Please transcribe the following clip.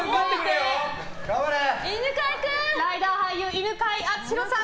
ライダー俳優犬飼貴丈さん